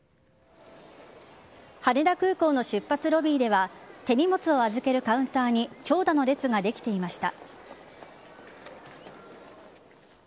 羽田空港の出発ロビーでは手荷物を預けるカウンターに長蛇の列ができていました。